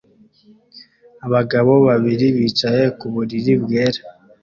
Abagabo babiri bicaye ku buriri bwera